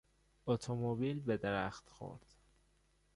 اتومبیل به درخت خورد.